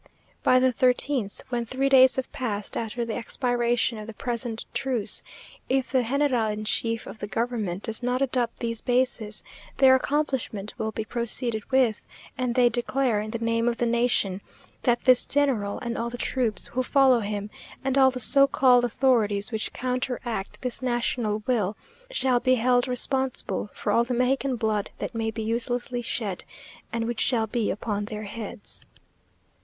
By the thirteenth When three days have passed after the expiration of the present truce, if the general in chief of the government does not adopt these bases, their accomplishment will be proceeded with; and they declare, in the name of the nation, that this general, and all the troops who follow him, and all the so called authorities which counteract this national will, shall be held responsible for all the Mexican blood that may be uselessly shed, and which shall be upon their heads.